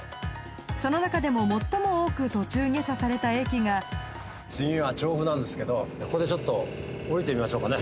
その中でも最も多く途中下車された駅がここでちょっと降りてみましょうかね。